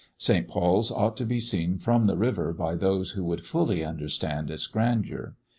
St. Paul's ought to be seen from the river by those who would fully understand its grandeur.